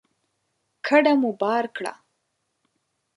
کډه مو بار کړه